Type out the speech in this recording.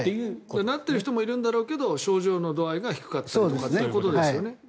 なっている人もいるんだろうけど症状の度合いが低いということね。